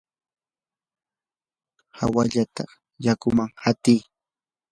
kawalluta yakuman qatiy.